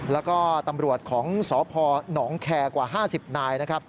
แล้วก็ตำรวจของสพหนองแคร์กว่า๕๐นายนะครับ